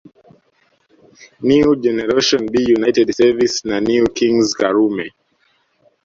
New Generationb United Service na New Kings Karume